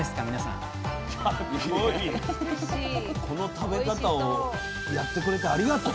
この食べ方をやってくれてありがとう。